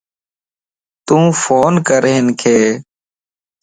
تُون فون ڪَر ھنک